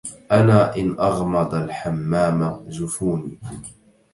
أنا إن أغمض الحمام جفوني